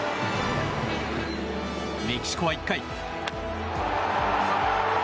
メキシコは１回。